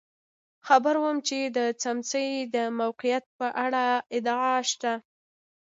خبر وم چې د څمڅې د موقعیت په اړه ادعا شته.